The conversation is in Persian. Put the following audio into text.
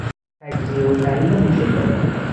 تجزیه و تحلیل موشکافانه